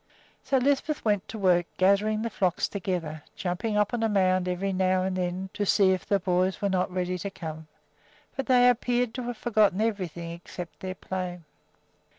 So Lisbeth went to work gathering the flocks together, jumping up on a mound every now and then to see if the boys were not ready to come; but they appeared to have forgotten everything except their play.